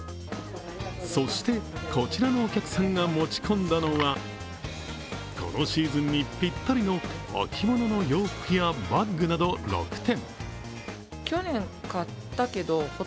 そして、こちらのお客さんが持ち込んだのはこのシーズンにぴったりの秋物の洋服やバッグなど６点。